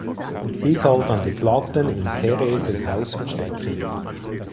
Sie soll dann die Platten in Thereses Haus verstecken.